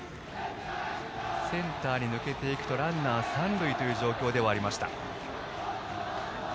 センターに抜けていくとランナー三塁という状況でした。